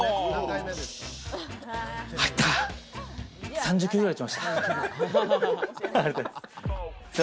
３０球くらい打ちました。